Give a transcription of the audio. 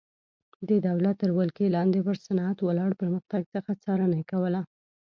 د دولت تر ولکې لاندې پر صنعت ولاړ پرمختګ څخه څارنه کوله.